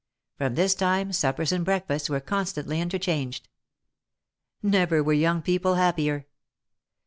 From this time suppers and breakfasts were con stantly interchanged. Never were young people happier.